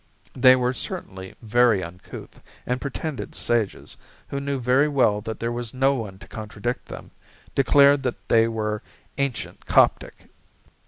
They were certainly very uncouth, and pretended sages, who knew very well that there was no one to contradict them, declared that they were "ancient Coptic!"